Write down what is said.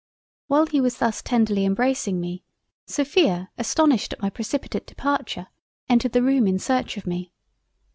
While he was thus tenderly embracing me, Sophia astonished at my precipitate Departure, entered the Room in search of me.